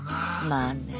まあね。